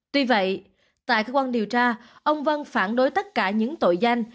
tuy vậy tại cơ quan điều tra ông vân phản đối tất cả những tội danh